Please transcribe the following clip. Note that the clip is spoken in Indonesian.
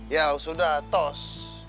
ya sudah tos